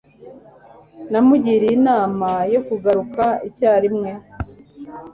namugiriye inama yo kugaruka icyarimwe